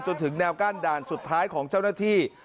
จนถึงแนวกั้นด่านสุดท้ายของเจ้าหน้าที่